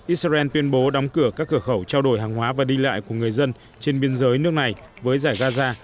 israel tuyên bố đóng cửa các cửa khẩu trao đổi hàng hóa và đi lại của người dân trên biên giới nước này với giải gaza